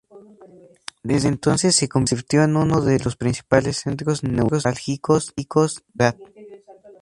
Desde entonces se convirtió en uno de los principales centros neurálgicos de la ciudad.